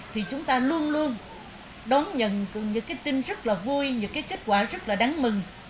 thì chúng ta luôn luôn đón nhận cũng như cái tin rất là vui những cái kết quả rất là đáng mừng